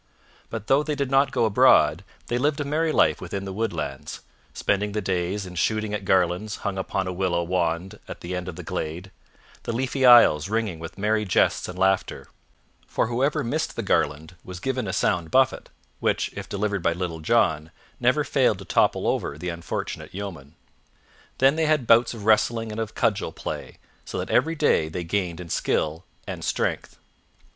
But though they did not go abroad, they lived a merry life within the woodlands, spending the days in shooting at garlands hung upon a willow wand at the end of the glade, the leafy aisles ringing with merry jests and laughter: for whoever missed the garland was given a sound buffet, which, if delivered by Little John, never failed to topple over the unfortunate yeoman. Then they had bouts of wrestling and of cudgel play, so that every day they gained in skill and strength.